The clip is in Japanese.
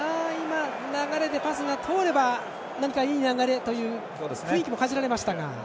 パスが通れば何か、いい流れという雰囲気も感じられましたが。